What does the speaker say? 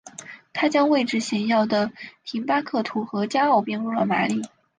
他将位置显要的廷巴克图和加奥并入了马里。